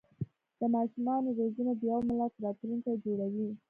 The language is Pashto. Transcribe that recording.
د ماشومانو روزنه د یو ملت راتلونکی جوړوي.